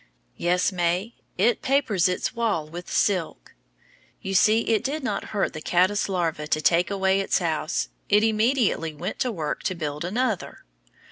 Yes, May, it papers its walls with silk. You see it did not hurt the caddice larva to take away its house; it immediately went to work to build another.